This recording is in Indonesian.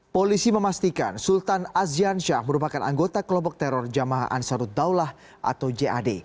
polisi memastikan sultan aziansyah merupakan anggota kelompok teror jamaha ansaruddaulah atau jad